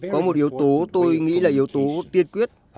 có một yếu tố tôi nghĩ là yếu tố tiên quyết